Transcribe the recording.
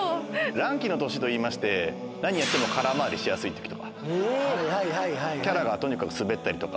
乱気の年といいまして、何やっても空回りしやすいとか、キャラがとにかく滑ったりとか。